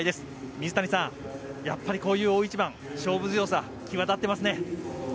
水谷さん、こういう大一番勝負強さ、際立ってますね。